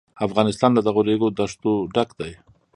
افغانستان له دغو ریګ دښتو ډک دی.